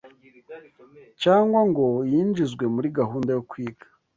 cyangwa ngo yinjizwe muri gahunda yo kwiga